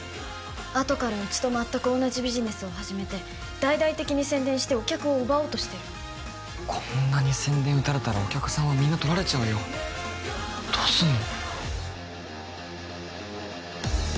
あとからうちと全く同じビジネスを始めて大々的に宣伝してお客を奪おうとしてるこんなに宣伝打たれたらお客さんはみんな取られちゃうよどうすんの？